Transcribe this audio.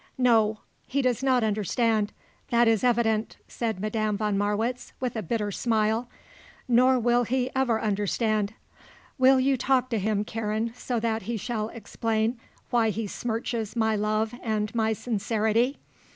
"No. He does not understand. That is evident," said Madame von Marwitz with a bitter smile. "Nor will he ever understand. Will you talk to him, Karen, so that he shall explain why he smirches my love and my sincerity?